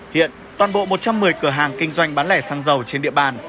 hiện toàn bộ một trăm một mươi cửa hàng kinh doanh bán lẻ xăng dầu trên địa bàn